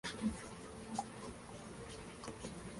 La última aparición de St.